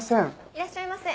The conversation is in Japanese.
いらっしゃいませ。